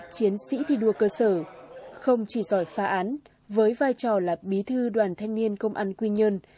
chiến sĩ thi đua cơ sở không chỉ giỏi phá án với vai trò là bí thư đoàn thanh niên công an quy nhơn